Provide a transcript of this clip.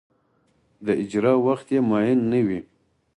د اجرا وخت یې معین نه وي.